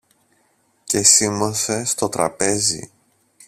και σίμωσε στο τραπέζι.